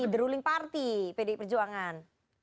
di ruling party pd perjuangan